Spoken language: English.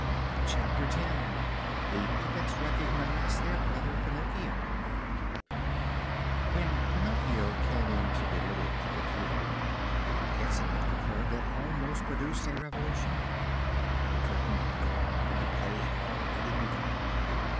CHAPTER X THE PUPPETS RECOGNIZE THEIR BROTHER PINOCCHIO When Pinocchio came into the little puppet theater, an incident occurred that almost produced a revolution. The curtain had gone up and the play had already begun.